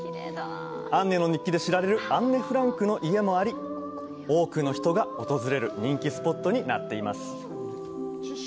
アンネの日記で知られるアンネ・フ多くの人が訪れる人気スポットになっています